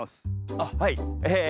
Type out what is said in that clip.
あっはいえ